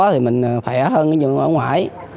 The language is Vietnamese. thì mình khỏe hơn ở ngoài